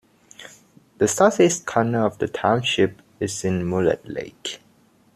The southeast corner of the township is in Mullett Lake.